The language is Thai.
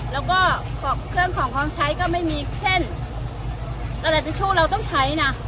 แล้วก็เครื่องของความใช้ก็ไม่มีเช่นกระดาษเจ็ชชู่เราต้องใช้น่ะ